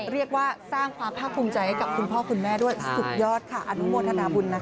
เรียกว่าสร้างความภาคภูมิใจให้กับคุณพ่อคุณแม่ด้วยสุดยอดค่ะอนุโมทนาบุญนะคะ